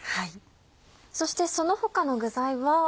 そしてその他の具材は。